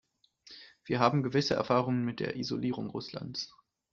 Wir haben gewisse Erfahrungen mit der Isolierung Russlands.